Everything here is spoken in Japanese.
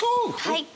はい！